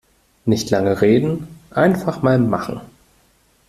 Nicht lange reden, einfach mal machen!